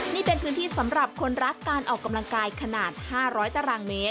นี่เป็นพื้นที่สำหรับคนรักการออกกำลังกายขนาด๕๐๐ตารางเมตร